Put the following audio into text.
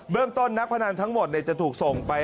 เรื่องต้นนักพนันทั้งหมดจะถูกส่งไป